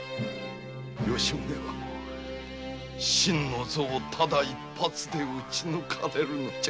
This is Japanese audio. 吉宗は心の臓をただ一発で打ち抜かれるのじゃ。